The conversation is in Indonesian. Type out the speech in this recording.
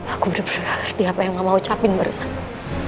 aku bener bener gak ngerti apa yang mbak mau ucapin baru saja